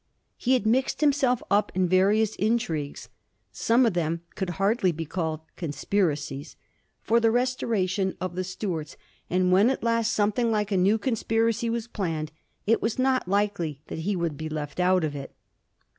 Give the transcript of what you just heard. He had mixed himself up in various intrigues — some of them could hardly be called conspiracies — ^for the restoration of the Stuarts, and when at last something like a new conspiracy was planned, it was not likely that he would be left out of it.